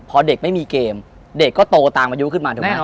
พอเด็กไม่มีเกมเด็กก็โตตามอายุขึ้นมาถูกไหม